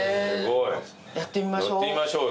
やってみましょう。